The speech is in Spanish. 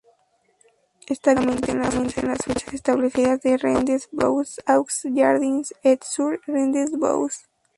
Está abierto solamente en las fechas establecidas de "Rendez-vous aux jardins" et sur rendez-vous.